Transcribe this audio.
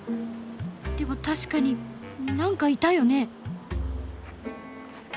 でも確かになんかいたよね。